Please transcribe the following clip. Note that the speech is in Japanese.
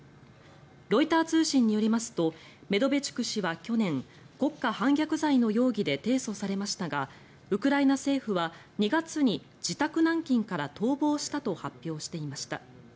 ロイター通信によりますとメドベチュク氏は去年国家反逆罪の容疑で提訴されましたがウクライナ政府は２月に自宅軟禁から逃亡したと発表していました。